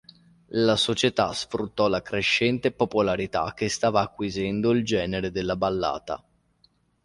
La società sfruttò la crescente popolarità che stava acquisendo il genere della ballata.